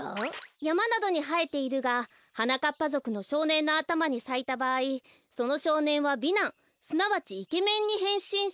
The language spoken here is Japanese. やまなどにはえているがはなかっぱぞくのしょうねんのあたまにさいたばあいそのしょうねんは美男すなわちイケメンにへんしんし。